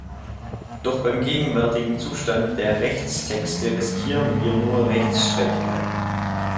Doch beim gegenwärtigen Zustand der Rechtstexte riskieren wir nur Rechtsstreitigkeiten.